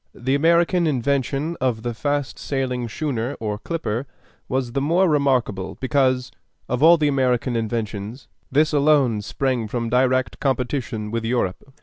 The American invention of the fast sailing schooner or clipper was the more remarkable because, of all American inventions, this alone sprang from direct competition with Europe.